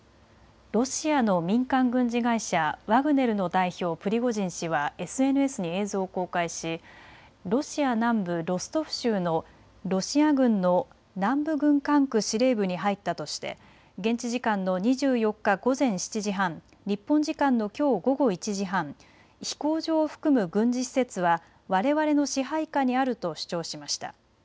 ロシアの民間軍事会社、ワグネルの代表、プリゴジン氏はＳＮＳに映像を公開しロシア南部ロストフ州のロシア軍の南部軍管区司令部に入ったとして現地時間の２４日午前７時半、日本時間のきょう午後１時半、飛行場を含む軍事施設はわれわれの支配下にあると主張しました。